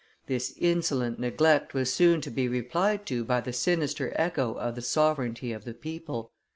This insolent neglect was soon to be replied to by the sinister echo of the sovereignty of the people.